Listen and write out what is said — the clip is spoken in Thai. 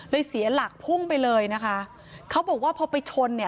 เสียหลักพุ่งไปเลยนะคะเขาบอกว่าพอไปชนเนี่ย